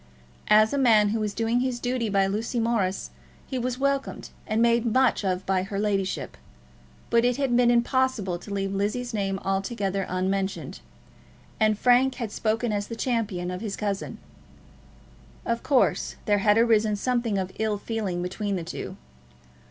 As a man who was doing his duty by Lucy Morris, he was welcomed and made much of by her ladyship; but it had been impossible to leave Lizzie's name altogether unmentioned, and Frank had spoken as the champion of his cousin. Of course there had arisen something of ill feeling between the two.